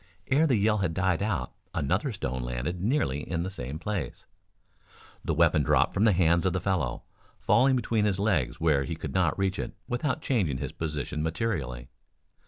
Ere the yell had died out another stone landed nearly in the same place. The weapon dropped from the hands of the fellow, falling between his legs where he could not reach it without changing his position materially.